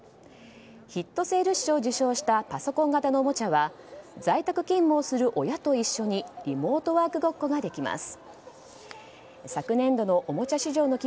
ヒットセールス賞を受賞したパソコン型のおもちゃは在宅勤務をする親と一緒にリモートワークごっこができます。